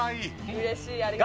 うれしい、ありがたい。